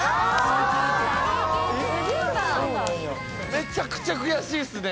めちゃくちゃ悔しいっすね。